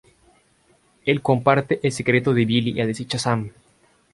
Él comparte el secreto de Billy y al decir "¡Shazam!